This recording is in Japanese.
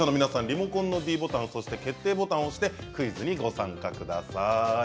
リモコンのｄボタンそして決定ボタンを押してクイズにご参加ください。